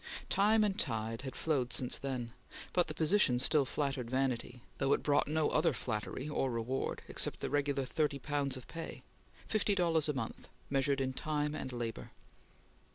Time and tide had flowed since then, but the position still flattered vanity, though it brought no other flattery or reward except the regular thirty pounds of pay fifty dollars a month, measured in time and labor.